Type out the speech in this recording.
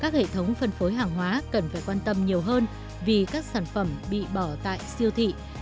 các hệ thống phân phối hàng hóa cần phải quan tâm nhiều hơn vì các sản phẩm bị bỏ tại siêu thị có thể bị bỏ tại siêu thị có thể bị bỏ